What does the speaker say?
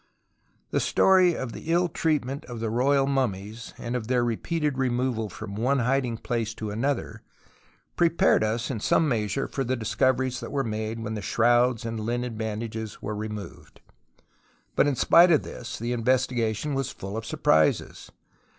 The story of the ill treatment of the royal mummies and of their repeated removal from one hiding place to another prepared us in some measure for the discoveries that were 80 TUTANKHAMEN made when the shrouds and Hnen bandages were removed. But in spite of this the in vestigation was full of surprises.